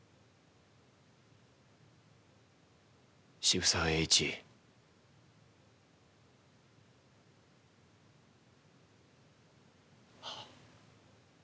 渋沢栄一。ははっ。